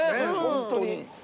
ホントに。